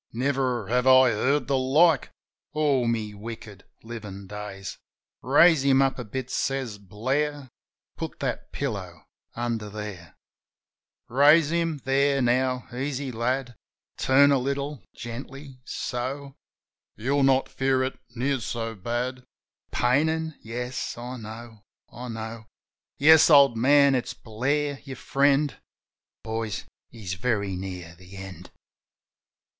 Never have I heard the like All me wicked livin' days." "Raise him up a bit," says Blair. "Put that pillow under there. 77 78 JIM OF THE HILLS "Raise him. ... There now, easy, lad. Turn a little — gently — so. You'll not feel it near so bad. ... Painin'? Yes, I know, I know. Yes, old man; it's Blair, your friend. .. (Boys, he's very near the end.")